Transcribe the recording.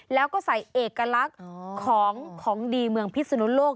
แล้วก็ใส่เอกลักษณ์ของดีเมืองพิศนุโลก